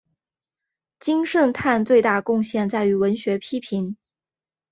金圣叹最大贡献在于文学批评。